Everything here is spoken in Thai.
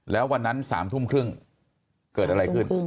แล้ววันนั้น๓ทุ่มครึ่งเกิดอะไรขึ้น